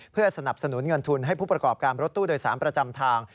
เพื่อสนับสนุนเงินทุนให้ผู้ประกอบการรถตู้โดยสารประจำทาง